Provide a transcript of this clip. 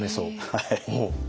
はい。